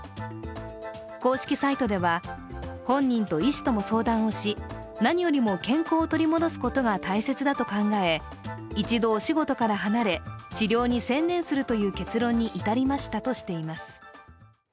公式サイトでは本人と医師とも相談をし何よりも健康を取り戻すことが大切だと考え一度お仕事から離れ、治療に専念するという結論に至りましたとしています。